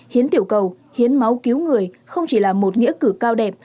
hiến tiểu cầu hiến máu cứu người không chỉ là một nghĩa cử cao đẹp